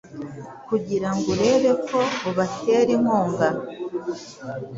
kugirango urebe ko ubatera inkunga